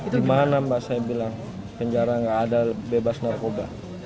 pernah mbak saya bilang penjara nggak ada bebas narkoba